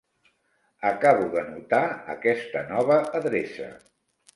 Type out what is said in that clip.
Acabo d'anotar aquesta nova adreça.